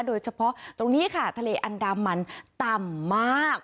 โดยเฉพาะตรงนี้ค่ะทะเลอันดามันต่ำมาก